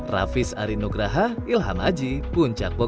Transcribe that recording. jangan lupa like share dan subscribe